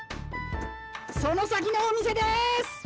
「その先のお店です！」。